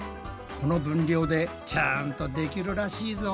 この分量でちゃんとできるらしいぞ。